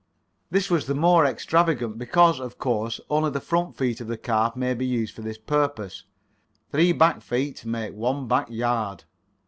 This was the more extravagant because, of course, only the front feet of the calf may be used for this purpose. Three back feet make one back yard.